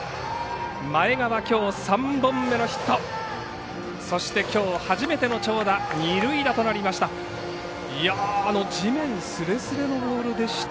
前川きょう３本目のヒットそして、きょう初めての長打二塁打となりました。